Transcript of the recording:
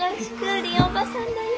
リンおばさんだよ。